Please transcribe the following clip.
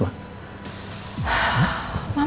mama juga gak tau